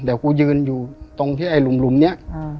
เดี๋ยวกูยืนอยู่ตรงที่ไอ้หลุมเนี้ย